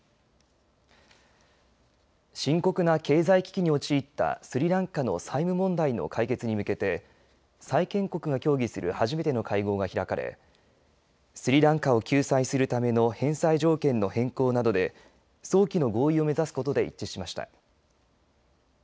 深刻な経済危機に陥ったスリランカの債務問題の解決に向けて債権国が協議する初めての会合が開かれスリランカを救済するための返済条件の変更などで早期の合意を目指すことで一致しました。